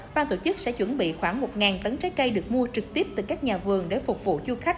ban tổ chức sẽ chuẩn bị khoảng một tấn trái cây được mua trực tiếp từ các nhà vườn để phục vụ du khách